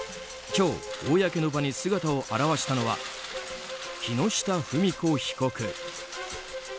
今日、公の場に姿を現したのは木下富美子被告。